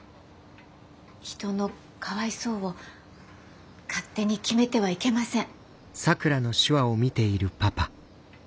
人の「かわいそう」を勝手に決めてはいけません。